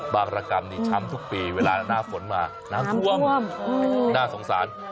บางรกรรมนี่ช้ำทุกปีเวลาหน้าฝนมาน้ำท่วมน่าสงสาร